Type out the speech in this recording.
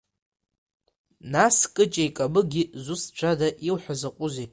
Нас Кыҷеи Камыгәи зусҭцәада, иуҳәо закәызеи?